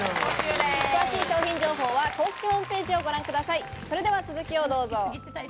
詳しい商品情報は公式ホームページをご覧ください。